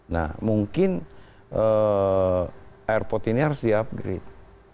nah mungkin airport ini harus di upgrade